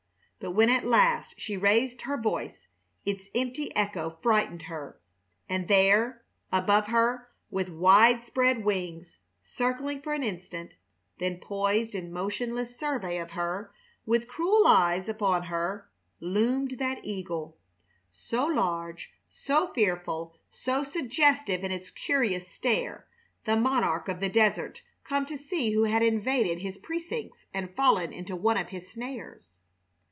But when at last she raised her voice its empty echo frightened her, and there, above her, with wide spread wings, circling for an instant, then poised in motionless survey of her, with cruel eyes upon her, loomed that eagle so large, so fearful, so suggestive in its curious stare, the monarch of the desert come to see who had invaded his precincts and fallen into one of his snares.